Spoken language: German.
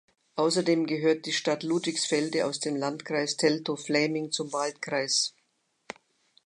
Außerdem gehört die Stadt Ludwigsfelde aus dem Landkreis Teltow-Fläming zum Wahlkreis.